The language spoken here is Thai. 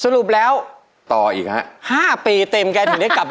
หรือว่าจะกลับ